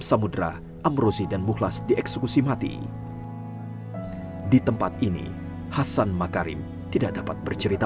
samudera amrosi dan mukhlas dieksekusi mati di tempat ini hassan ma farim tidak dapat bercerita